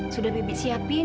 sudah bibi siapin